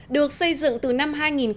được xây dựng từ năm hai nghìn một mươi